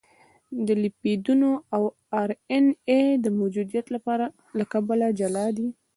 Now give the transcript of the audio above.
د لیپیدونو او ار ان اې د موجودیت له کبله جلا دي.